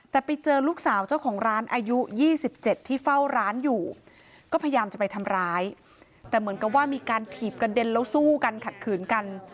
แต่ไปเจอลูกสาวเจ้าของร้านอายุ๒๗ที่เฝ้าร้านอยู่ก็พยายามจะไปทำร้ายแต่เหมือนกับว่ามีการถีบกระเด็นแล้วสู้กันขัดขืนกัน